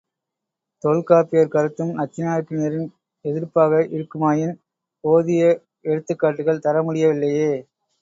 தொல்காப்பியர் கருத்தும் நச்சினார்க்கினியரின் எதிர்பார்ப்பாக இருக்குமாயின் போதிய எடுத்துக்காட்டுகள் தரமுடியவில்லையே.